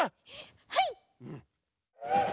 はい！